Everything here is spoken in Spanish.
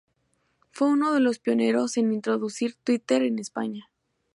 Fue uno de los pioneros en introducir twitter en España.